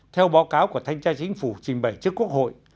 theo báo cáo của thanh tra chính phủ trình bày trước quốc hội